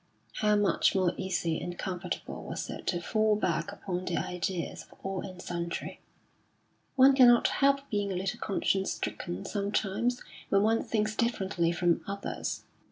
How much more easy and comfortable was it to fall back upon the ideas of all and sundry? One cannot help being a little conscience stricken sometimes when one thinks differently from others.